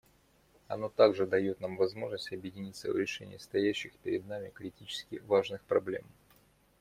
Оно также дает нам возможность объединиться в решении стоящих перед нами критически важных проблем.